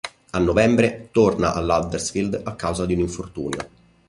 A novembre torna all'Huddersfield a causa di un infortunio.